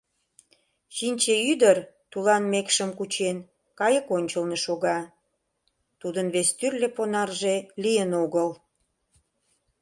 Чинче ӱдыр, тулан мекшым кучен, кайык ончылно шога — тудын вестӱрлӧ понарже лийын огыл.